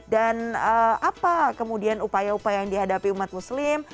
dan apa kemudian upaya upaya yang dihadapi umat muslim